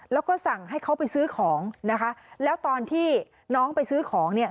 แล้วก็สั่งให้เขาไปซื้อของนะคะแล้วตอนที่น้องไปซื้อของเนี่ย